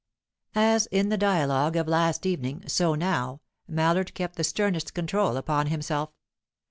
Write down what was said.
As in the dialogue of last evening, so now, Mallard kept the sternest control upon himself.